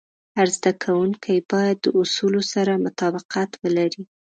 هر زده کوونکی باید د اصولو سره مطابقت ولري.